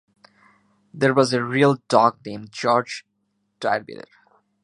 There was a real dog named George Tirebiter.